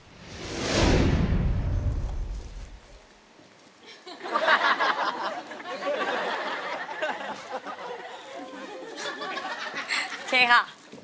โอเคค่ะ